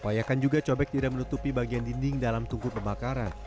upayakan juga cobek tidak menutupi bagian dinding dalam tungku pemakaran